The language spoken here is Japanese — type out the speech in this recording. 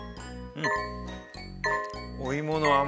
うん。